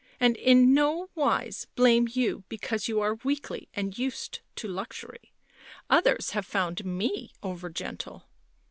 " And in no wise blame you because you are weakly and used to luxury. Others have found me over gentle."